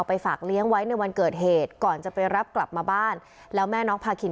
ฝากเลี้ยงไว้ในวันเกิดเหตุก่อนจะไปรับกลับมาบ้านแล้วแม่น้องพาคิน